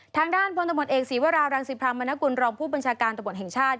ทางด้านพตเอกศ์ศรีวราวรังศิพรามณกุลรองผู้บัญชาการตแห่งชาติ